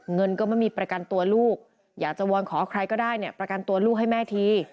เงินก็ไม่มีประกันตัวลูกอยากจะวอนขอใครก็ได้เนี่ยประกันตัวลูกให้แม่ที